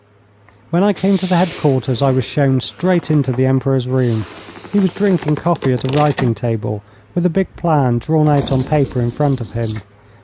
When I came to the headquarters I was shown straight into the Emperor's room. He was drinking coffee at a writing table, with a big plan drawn out on paper in front of him.